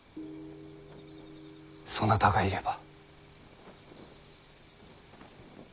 そなたがいれば。